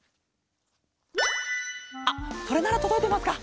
あっそれならとどいてますか？